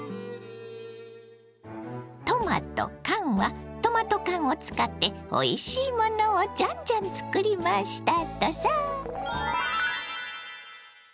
トマとカンはトマト缶を使っておいしいものをジャンジャン作りましたとさ。